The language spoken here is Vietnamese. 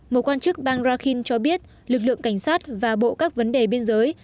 một quan chức bang rakhin cho biết lực lượng cảnh sát và bộ các vấn đề biên giới